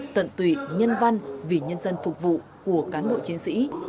tận tụy nhân văn vì nhân dân phục vụ của cán bộ chiến sĩ